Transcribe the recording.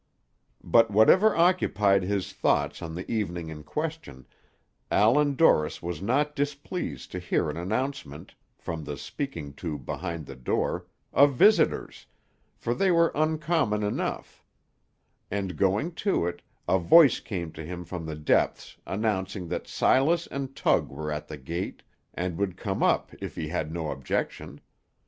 But whatever occupied his thoughts on the evening in question, Allan Dorris was not displeased to hear an announcement, from the speaking tube behind the door, of visitors, for they were uncommon enough; and going to it, a voice came to him from the depths announcing that Silas and Tug were at the gate, and would come up if he had no objection.